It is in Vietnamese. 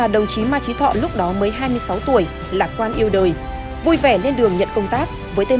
đồng chí ma trí thọ lúc đó mới hai mươi sáu tuổi lạc quan yêu đời vui vẻ lên đường nhận công tác với tên